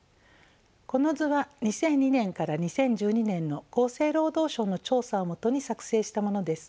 この図は２００２年から２０１２年の厚生労働省の調査をもとに作成したものです。